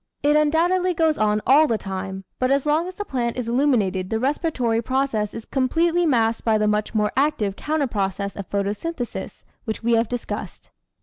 It undoubtedly goes on all the time, but as long as the plant is illuminated the respiratory process is completely masked by the much more active counter process of photosynthesis which we have discussed.